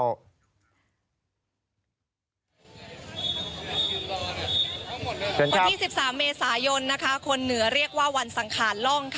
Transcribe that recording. วันที่๑๓เมษายนคนเหนือเรียกว่าวันสังขารล่อง